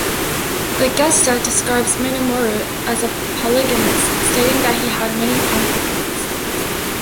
The "Gesta" describes Menumorut as a polygamist, stating that he "had many concubines".